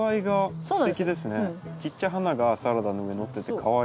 ちっちゃい花がサラダの上にのっててかわいい。